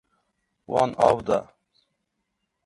Wan av da.